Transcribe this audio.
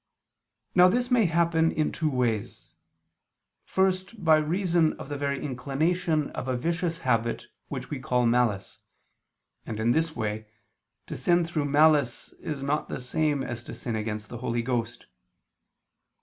Now this may happen in two ways. First by reason of the very inclination of a vicious habit which we call malice, and, in this way, to sin through malice is not the same as to sin against the Holy Ghost.